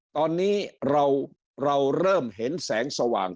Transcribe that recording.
ตอนนี้เราเริ่มเห็นแสงสว่าง